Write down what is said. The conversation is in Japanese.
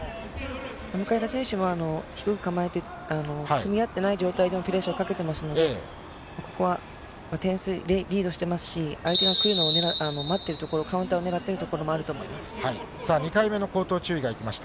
向田選手は低く構えて、組み合っていない状態でもプレッシャーをかけてますので、ここは点数でリードしてますし、相手の組みを待っている、カウンターを狙っているところもあるとさあ、２回目の口頭注意がいきました。